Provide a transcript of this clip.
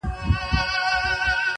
o پر آس، ښځي او توري باور مه کوه.